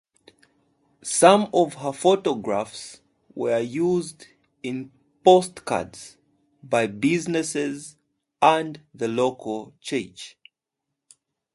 Some of her photographs were used in postcards by businesses and the local church.